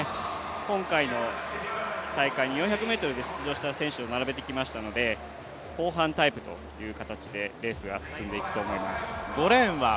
今回の大会に４００ｍで出場した選手を並べてきたので後半タイプという形でレースが進んでいくと思います。